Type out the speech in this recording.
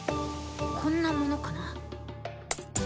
こんなものかな。